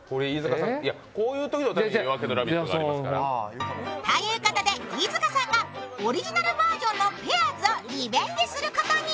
こういうときのために「夜明けのラヴィット！」がありますから。ということで、飯塚さんがオリジナルバージョンの「ペアーズ」をリベンジすることに。